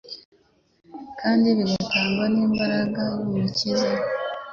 kandi bigatangwa n'imbaraga y'Umukiza.